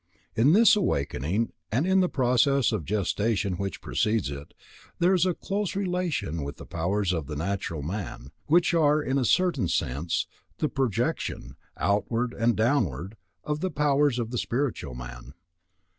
In this awakening, and in the process of gestation which precedes it, there is a close relation with the powers of the natural man, which are, in a certain sense, the projection, outward and downward, of the powers of the spiritual man.